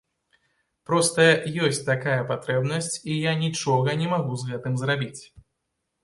Проста ёсць такая патрэбнасць, і я нічога не магу з гэтым зрабіць.